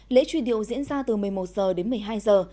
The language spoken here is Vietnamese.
lễ truy điệu diễn ra từ một mươi một h đến một mươi hai h